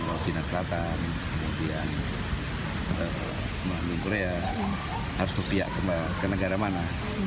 di jina selatan kemudian di korea harus ke pihak ke negara mana